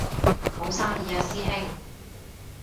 好生意啊師兄